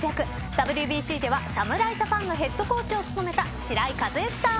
ＷＢＣでは侍ジャパンのヘッドコーチを務めた白井一幸さん。